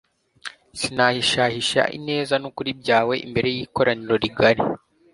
sinahishahisha ineza n’ukuri byawe imbere y’ikoraniro rigari